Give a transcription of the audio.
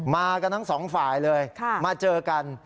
มากันทั้งสองฝ่ายเลยมาเจอกัน